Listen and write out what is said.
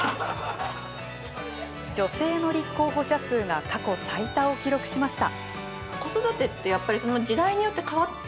女性の立候補者数が過去最多を記録しました。